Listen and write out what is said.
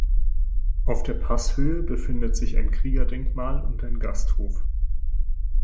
Auf der Passhöhe befindet sich ein Kriegerdenkmal und ein Gasthof.